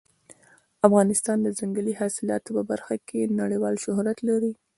افغانستان د ځنګلي حاصلاتو په برخه کې نړیوال شهرت لري.